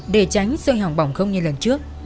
để tránh sôi hỏng bỏng không như lần trước